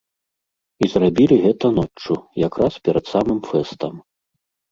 І зрабілі гэта ноччу, якраз перад самым фэстам.